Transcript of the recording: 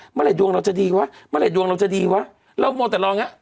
เมื่อไหรดวงเราจะดีวะเมื่อไหดวงเราจะดีวะเรามัวแต่รองอย่างเงี้